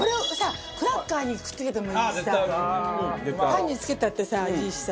パンにつけたってさいいしさ。